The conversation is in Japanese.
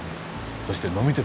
そして「呑み鉄」。